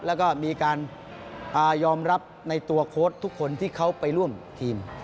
แล้วก็มีการยอมรับในตัวโค้ดทุกคนที่เขาไปร่วมทีม